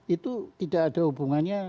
itu tidak ada hubungannya